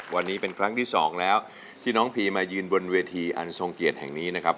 วันนี้เป็นครั้งที่สองแล้วที่น้องพีมายืนบนเวทีอันทรงเกียรติแห่งนี้นะครับ